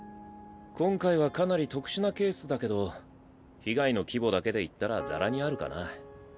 今回はかなり特殊なケースだけど被害の規模だけで言ったらざらにあるかな。